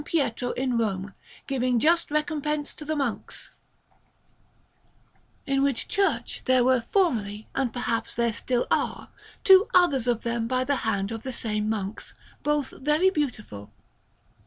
Pietro in Rome, giving just recompense to the monks"; in which church there were formerly, and perhaps there still are, two others of them by the hand of the same monks, both very beautiful.